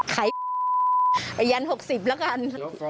ไปยัง๖๐ละกัน